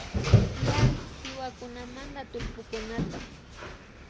Tiyak kiwakunamanta tullpukunata